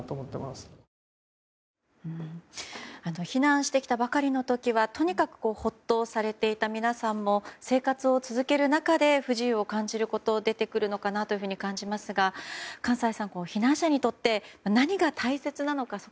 避難してきたばかりの時はとにかくほっとされていた皆さんも生活を続ける中で不自由を感じることが出てくるのかなと感じますが閑歳さん避難者にとって何が大切なのか